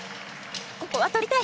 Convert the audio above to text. ここは取りたい。